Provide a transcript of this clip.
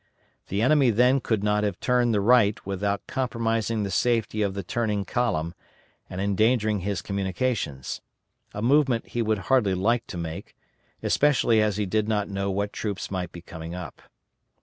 The enemy then could not have turned the right without compromising the safety of the turning column and endangering his communications; a movement he would hardly like to make, especially as he did not know what troops might be coming up.